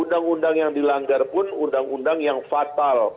undang undang yang dilanggar pun undang undang yang fatal